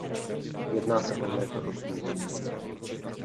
Jedná se o nedorozumění.